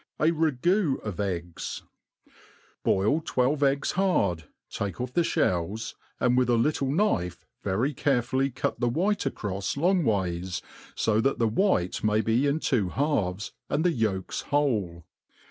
> J Ragoo of Eggs. BOIL twelve eggs hard, take oflF the fbells, and with a little knife very carefully cut the white acrofs long ways, fc that the white may be in two halves, and the yolks whole.